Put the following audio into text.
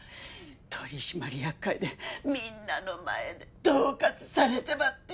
取締役会でみんなの前でどう喝されてまって！